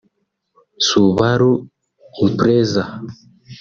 Subaru Impreza -